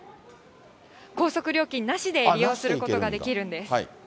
高速料金なしで利用することができるんです。